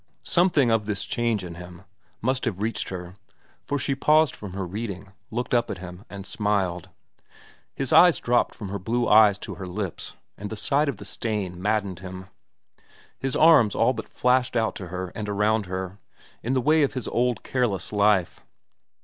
Something of this change in him must have reached her, for she paused from her reading, looked up at him, and smiled. His eyes dropped from her blue eyes to her lips, and the sight of the stain maddened him. His arms all but flashed out to her and around her, in the way of his old careless life.